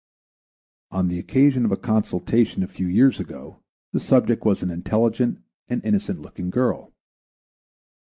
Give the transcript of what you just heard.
On the occasion of a consultation a few years ago the subject was an intelligent and innocent looking girl.